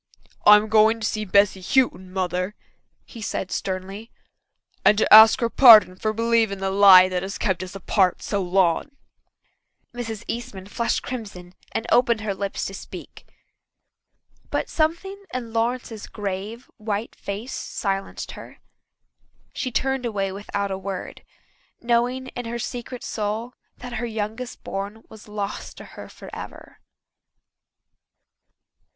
"I'm going to see Bessy Houghton, Mother," he said sternly, "and to ask her pardon for believing the lie that has kept us apart so long." Mrs. Eastman flushed crimson and opened her lips to speak. But something in Lawrence's grave, white face silenced her. She turned away without a word, knowing in her secret soul that her youngest born was lost to her forever.